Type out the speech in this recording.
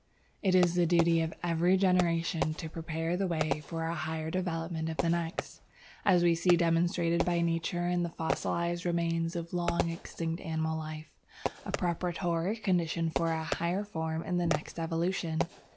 "It is the duty of every generation to prepare the way for a higher development of the next, as we see demonstrated by Nature in the fossilized remains of long extinct animal life, a preparatory condition for a higher form in the next evolution.